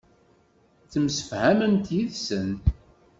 Temsefhamemt yid-sen.